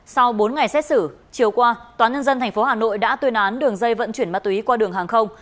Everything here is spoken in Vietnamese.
sau bốn ngày xét xử chiều qua tnth hà nội đã tuyên án đường dây vận chuyển mát túy qua đường hàng không